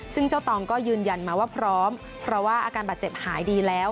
ซึ่งเจ้าตองก็ยืนยันมาว่าพร้อมเพราะว่าอาการบาดเจ็บหายดีแล้ว